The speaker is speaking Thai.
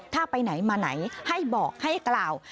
ถ้าไปไหนมาไหนให้บอกให้กล่าว